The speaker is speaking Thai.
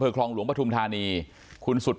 พี่สภัยลงมาดูว่าเกิดอะไรขึ้น